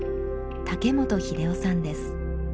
竹本秀雄さんです